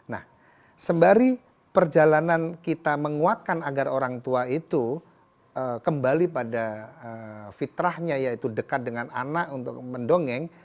nah sembari perjalanan kita menguatkan agar orang tua itu kembali pada fitrahnya yaitu dekat dengan anak untuk mendongeng